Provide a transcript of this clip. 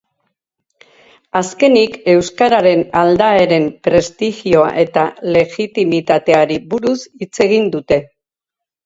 Azkenik, euskararen aldaeren prestigioa eta legitimitateari buruz hitz egin dute.